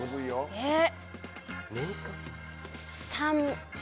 えっ。